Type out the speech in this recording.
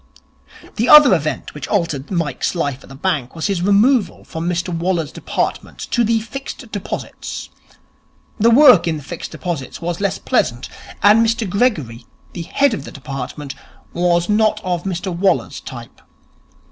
The other event which altered Mike's life in the bank was his removal from Mr Waller's department to the Fixed Deposits. The work in the Fixed Deposits was less pleasant, and Mr Gregory, the head of the department was not of Mr Waller's type.